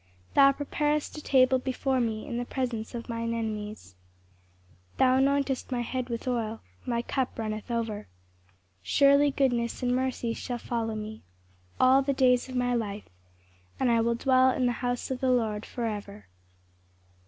5┬ĀThou preparest a table before me in the presence of mine enemies: thou anointest my head with oil; my cup runneth over. 6┬ĀSurely goodness and mercy shall follow me all the days of my life: and I will dwell in the house of the Lord for ever.